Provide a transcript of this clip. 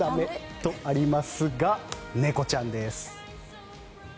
とありますが猫ちゃんです。